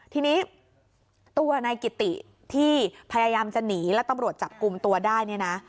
ทีนี้ตัวนายกิติที่พยายามจะหนีแล้วตำรวจจับกลุ่มตัวได้เนี่ยนะ